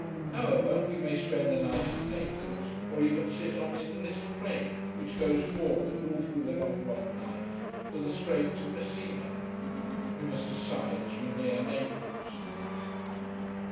However, we may spend the night in Naples: or even sit on in this train, which goes forward, all through the long long night, to the Straits of Messina. We must decide as we near Naples.